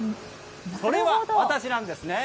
それは私なんですね。